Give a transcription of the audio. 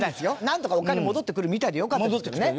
なんとかお金戻ってくるみたいでよかったですけどね。